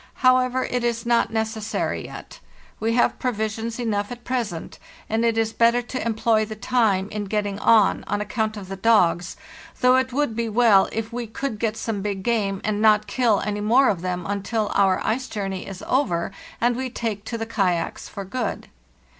How ever, it is not necessary yet. We have provisions enough at present, and it is better to employ the time in getting on, on account of the dogs, though it would be well if we could get some big game, and not kill any more of them until our ice journey is over and we take to the kayaks for good.